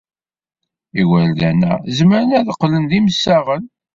Igerdan-a zemren ad qqlen d imsaɣen.